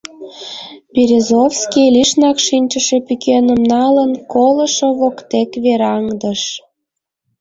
Березовский, лишнак шинчыше пӱкеным налын, колышо воктек вераҥдыш.